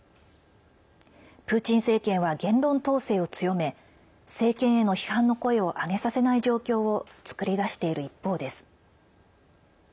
プーチン政権は言論統制を強め政権への批判の声を上げさせない状況を作り出している一方です。